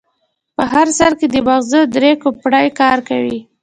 په هر سر کې د ماغزو درې کوپړۍ کار کوي.